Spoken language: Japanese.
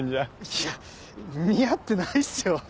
いや似合ってないっすよ。